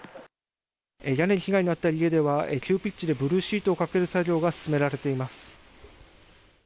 屋根の被害があった家では、急ピッチでブルーシートをかける作業が進められています。